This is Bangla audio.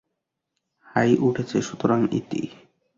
হাই উঠছে, সুতরাং ইতি।